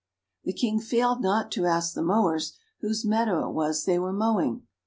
The King failed not to ask the mowers whose meadow it was they were mowing?